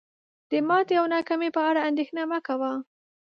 د ماتي او ناکامی په اړه اندیښنه مه کوه